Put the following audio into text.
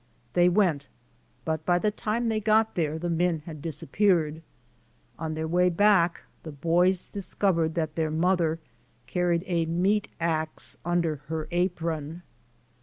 They went but by the time they got there the men had disappeared. On their way back the boys discovered that their mother carried a meat ax under her apron.